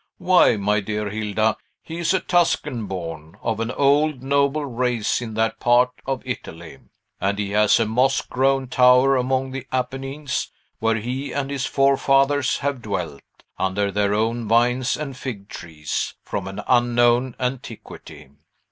Why, my dear Hilda, he is a Tuscan born, of an old noble race in that part of Italy; and he has a moss grown tower among the Apennines, where he and his forefathers have dwelt, under their own vines and fig trees, from an unknown antiquity.